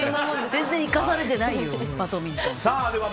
全然生かされてないよバドミントンは。